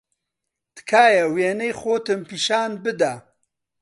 تکایە وێنەی خۆتم پیشان بدە.